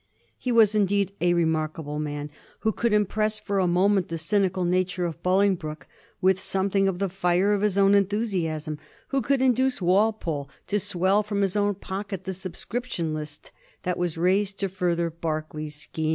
He was indeed a remarkable man who could impress for a moment the cynical nature of Bolingbroke with some thing of the fire of his own enthusiasm ; who could in duce Walpole to swell from his own pocket the subscrip tion list that was raised to further Berkeley's schemes; 1728.